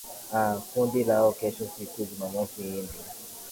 aa kundi lao kesho siku jumamosi india